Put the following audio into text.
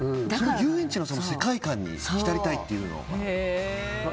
遊園地の世界観に浸りたいっていう。